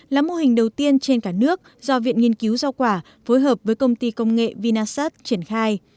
là mô hình đầu tiên trên cả nước do viện nghiên cứu giao quả phối hợp với công ty công nghệ vinasat triển khai